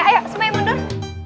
ayo semuanya mundur